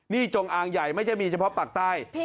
นี่จงอางใหญ่ไม่ใช่มีเฉพาะปากใต้